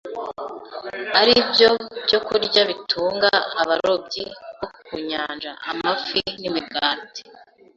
ari byo byokurya bitunga abarobyi bo ku nyanja: amafi n’imigati.